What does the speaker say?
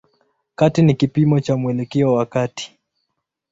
Kati ni kipimo cha mwelekeo wa kati.